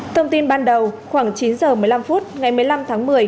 thông tin ban đầu khoảng chín h một mươi năm phút ngày một mươi năm tháng một mươi